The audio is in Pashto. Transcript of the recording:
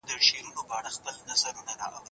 نیالګي کښېنوئ او چاپیریال سمسور کړئ.